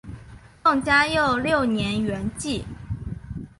宋嘉佑六年圆寂。